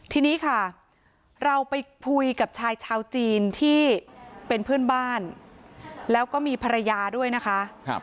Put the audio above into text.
ทีนี้ค่ะเราไปคุยกับชายชาวจีนที่เป็นเพื่อนบ้านแล้วก็มีภรรยาด้วยนะคะ